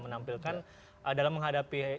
menampilkan dalam menghadapi